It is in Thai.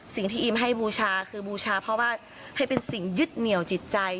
สิ่งที่อิมให้บูชาคือบูชาเพราะว่าให้เป็นสิ่งยึดเหนี่ยวจิตใจ